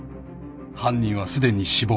［犯人はすでに死亡］